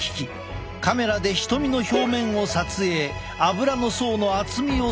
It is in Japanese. カメラで瞳の表面を撮影アブラの層の厚みを測定する。